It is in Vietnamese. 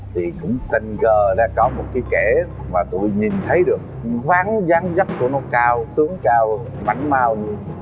thì cũng tình cờ ra có một cái kẻ mà tụi nhìn thấy được ván gián dấp của nó cao tướng cao mảnh mau